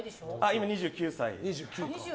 今２９歳。